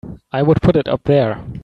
I would put it up there!